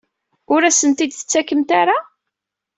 Ur asent-t-id-tettakemt ara?